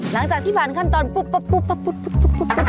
หลังจากที่ผ่านขั้นตอนปุ๊บปับปุ๊บปับปุ๊บปับ